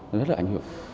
nó rất là ảnh hưởng